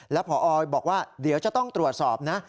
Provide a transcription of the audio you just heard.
แล้วพอบอกว่าเดี๋ยวจะต้องตรวจสอบนะ